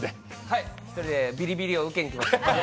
はい、１人でビリビリを受けにきました！